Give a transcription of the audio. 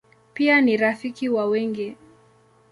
Pia ni rafiki wa wengi.